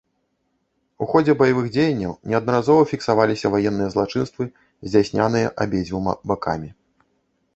У ходзе баявых дзеянняў неаднаразова фіксаваліся ваенныя злачынствы, здзяйсняныя абедзвюма бакамі.